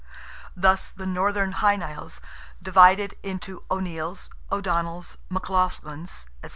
Thus, the Northern Hy Nials divided into O'Neils, O'Donnells, McLaughlins, &c.